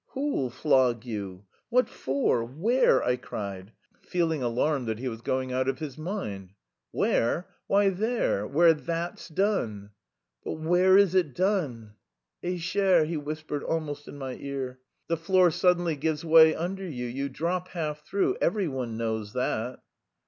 "Who'll flog you? What for? Where?" I cried, feeling alarmed that he was going out of his mind. "Where? Why there... where 'that's' done." "But where is it done?" "Eh, cher," he whispered almost in my ear. "The floor suddenly gives way under you, you drop half through.... Every one knows that."